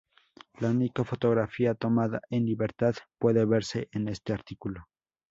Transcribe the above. La única fotografía tomada en libertad puede verse en este artículo.